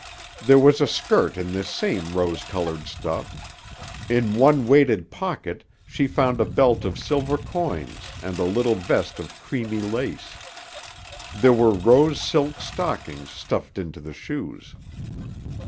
There was a skirt of this same rose colored stuff. In one weighted pocket she found a belt of silver coins and a little vest of creamy lace. There were rose silk stockings stuffed into the shoes.